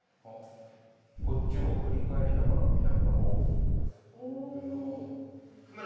こっちを振り返りながらいなくなった。